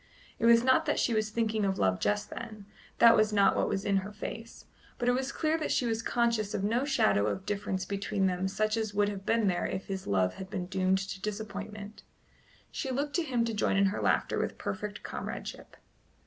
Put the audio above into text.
It was not that she was thinking of love just then that was not what was in her face; but it was clear that she was conscious of no shadow of difference between them such as would have been there if his love had been doomed to disappointment. She looked to him to join in her laughter with perfect comradeship.